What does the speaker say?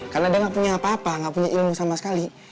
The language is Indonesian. karena dia gak punya apa apa gak punya ilmu sama sekali